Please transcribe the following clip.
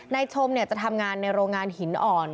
ชมจะทำงานในโรงงานหินอ่อน